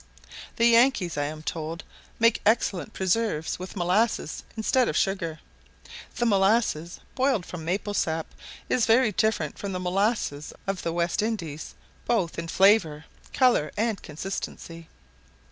The Yankees, I am told, make excellent preserves with molasses instead of sugar. The molasses boiled from maple sap is very different from the molasses of the West Indies, both in flavour, colour, and consistency.